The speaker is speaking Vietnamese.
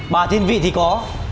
bà thiên vị thì có